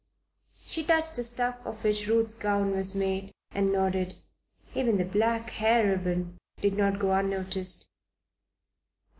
She touched the stuff of which Ruth's gown was made, and nodded; even the black hair ribbon did not go unnoticed.